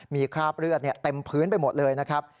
มีคราบเลือดเต็มพื้นไปหมดเลยนะครับ